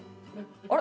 あれ？